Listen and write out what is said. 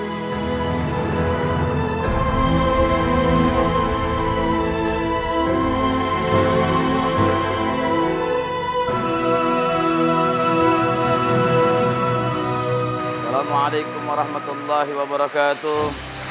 assalamualaikum warahmatullahi wabarakatuh